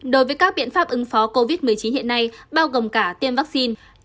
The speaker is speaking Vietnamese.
đối với các biện pháp ứng phó covid một mươi chín hiện nay bao gồm cả tiêm vaccine